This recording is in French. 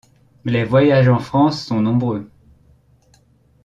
Les voyages en France sont nombreux.